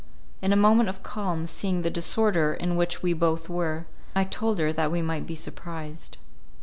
In a moment of calm, seeing the disorder in which we both were, I told her that we might be surprised.